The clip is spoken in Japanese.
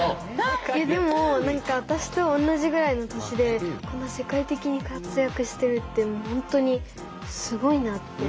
えでも私と同じぐらいの年でこんな世界的に活躍してるってもう本当にすごいなって。